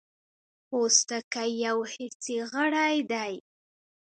پوستکی یو حسي غړی دی.